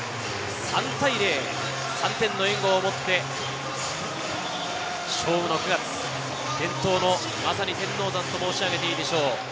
３対０、３点の援護を持って、勝負の９月伝統の天王山と申し上げていいでしょう。